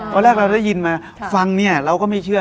แรกเราได้ยินมาฟังเนี่ยเราก็ไม่เชื่อ